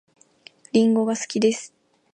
りんごが好きです